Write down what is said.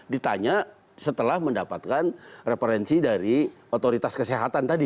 ditanya setelah mendapatkan referensi dari otoritas kesehatan tadi